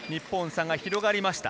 日本、差が広がりました。